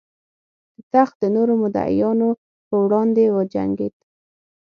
د تخت د نورو مدعیانو پر وړاندې وجنګېد.